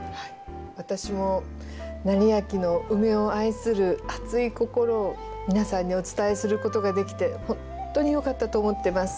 私も斉昭のウメを愛する熱い心を皆さんにお伝えすることができてほんとによかったと思ってます。